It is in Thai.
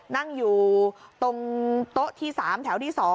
นั่งอยู่ตรงโต๊ะที่๓แถวที่๒